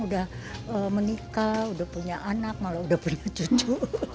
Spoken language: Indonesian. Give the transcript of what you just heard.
udah menikah udah punya anak malah udah punya cucu